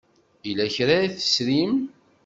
Yella kra ay tesrim?